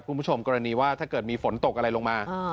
คุณผู้ชมกรณีว่าถ้าเกิดมีฝนตกอะไรลงมา